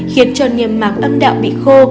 khiến cho niềm mạc âm đạo bị khô